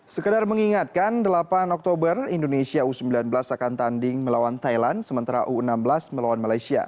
sekedar mengingatkan delapan oktober indonesia u sembilan belas akan tanding melawan thailand sementara u enam belas melawan malaysia